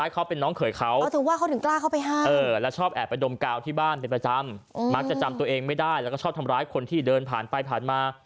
ก็จะจำตัวเองไม่ได้แล้วก็ชอบทำร้ายคนที่เดินผ่านไปผ่านมา